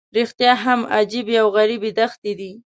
رښتیا هم عجیبې او غریبې دښتې دي.